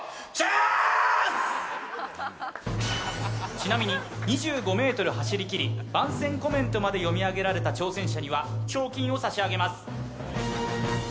ちなみに、２５ｍ走りきり番宣コメントまで読み上げられた挑戦者には賞金を差し上げます。